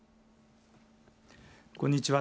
こんにちは。